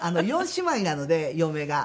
４姉妹なので嫁が。